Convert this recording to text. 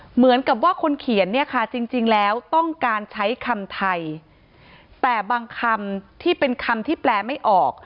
เหมือนกับว่าคนเขียนเนี่ยค่ะจริงแล้วต้องการใช้คำไทยแต่บางคำที่เป็นคำที่แปลไม่ออก